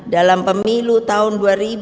dalam pemilu tahun dua ribu dua puluh empat